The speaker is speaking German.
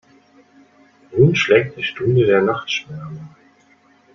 Nun schlägt die Stunde der Nachtschwärmer.